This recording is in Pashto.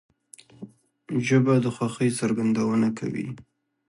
ژبه د خوښۍ څرګندونه کوي